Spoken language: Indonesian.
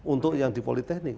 untuk yang di politeknik